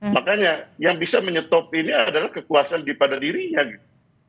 makanya yang bisa menyetop ini adalah kekuasaan di pada dirinya gitu